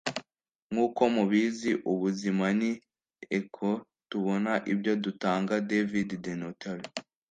Nkuko mubizi, ubuzima ni echo; tubona ibyo dutanga. ”- David DeNotaris